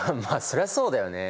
そりゃそうだよね。